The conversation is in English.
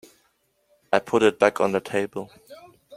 I put it back on the table.